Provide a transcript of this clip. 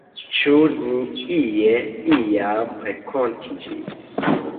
Ĉu ni ie, iam renkontiĝis?